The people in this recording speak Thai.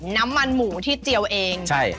น้ำมันหมูที่เจียวเอง